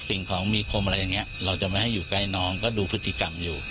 สิ่งของมีคมอะไรอย่างนี้เราจะไม่ให้อยู่ใกล้น้องก็ดูพฤติกรรมอยู่